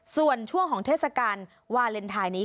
ส่วนช่วงของเทศกาลวาเลนไทยนี้